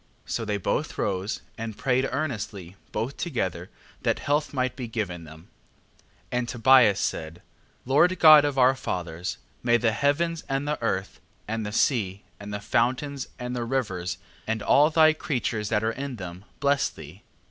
So they both arose, and prayed earnestly both together that health might be given them, 8:7. And Tobias said: Lord God of our fathers, may the heavens and the earth, and the sea, and the fountains, and the rivers, and all thy creatures that are in them, bless thee.